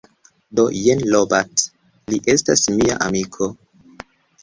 Do jen Robert, li estas mia amiko